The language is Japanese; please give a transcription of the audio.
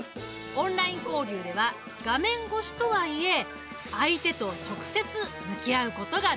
オンライン交流では画面越しとはいえ相手と直接向き合うことができる。